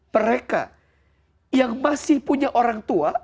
mereka yang masih punya orang tua